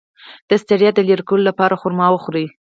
د ستړیا د لرې کولو لپاره خرما وخورئ